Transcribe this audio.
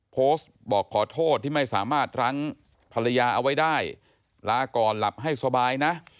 โพสต์บอกขอโทษที่ไม่สามารถรั้งภรรยาเอาไว้ได้ลาก่อนหลับให้สบายนะ